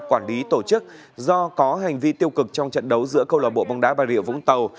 quản lý tổ chức do có hành vi tiêu cực trong trận đấu giữa câu lạc bộ bóng đá bà rịa vũng tàu